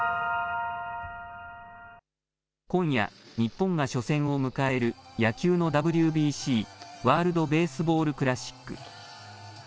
今夜、日本が初戦を迎える野球のＷＢＣ・ワールド・ベースボール・クラシック。